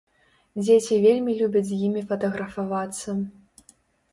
Дзеці вельмі любяць з імі фатаграфавацца.